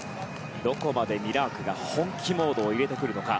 どこまでミラークが本気モードを入れてくるのか。